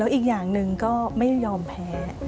อีกอย่างหนึ่งก็ไม่ยอมแพ้